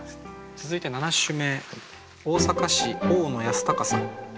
続いて７首目。